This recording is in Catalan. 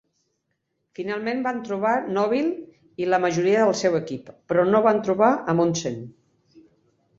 Finalment van trobar Nobile i la majoria del seu equip, però no van trobar Amundsen.